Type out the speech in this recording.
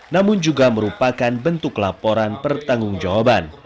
namun juga merupakan bentuk laporan pertanggung jawaban